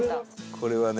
「これはね」